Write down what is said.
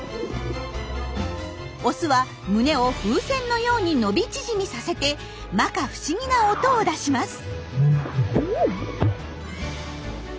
オスは胸を風船のように伸び縮みさせてまか不思議な音を出します。